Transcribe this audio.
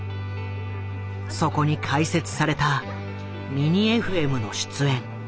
そこに開設されたミニＦＭの出演。